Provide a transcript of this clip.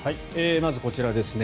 まずこちらですね。